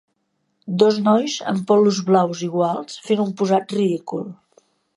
Dos nois amb polos blaus iguals fent un posat ridícul.